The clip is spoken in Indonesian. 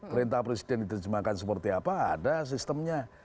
perintah presiden diterjemahkan seperti apa ada sistemnya